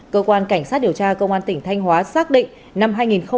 cơ quan cảnh sát điều tra công an tỉnh thanh hóa xác định năm hai nghìn hai mươi ba